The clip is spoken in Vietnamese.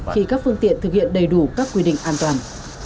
khi các phương tiện thực hiện đầy đủ các quy định an toàn